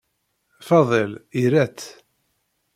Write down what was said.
Fadil ira-tt.